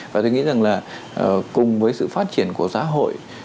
và tôi nghĩ rằng là cùng với sự phát triển của xã hội